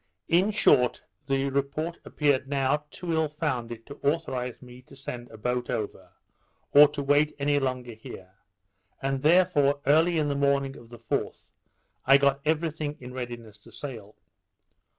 In short, the report appeared now too ill founded to authorize me to send a boat over, or to wait any longer here; and therefore, early in the morning of the 4th, I got every thing in readiness to sail.